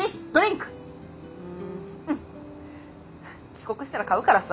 帰国したら買うからさ。